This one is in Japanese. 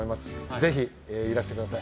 ぜひいらしてください。